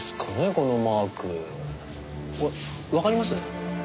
これわかります？